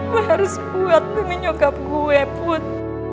lo harus kuat dengan nyokap gue put